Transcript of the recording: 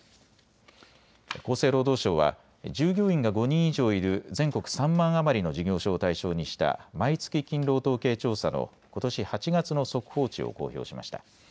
厚生労働省は従業員が５人以上いる全国３万余りの事業所を対象にした毎月勤労統計調査のことし８月の速報値を公表しました。